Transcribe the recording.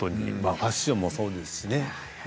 ファッションもそうですけどね